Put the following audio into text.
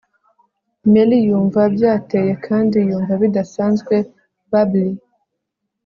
mell yumva byateye kandi yumva bidasanzwe. bubbly